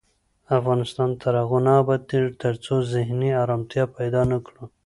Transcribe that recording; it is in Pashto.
افغانستان تر هغو نه ابادیږي، ترڅو ذهني ارامتیا پیدا نکړو.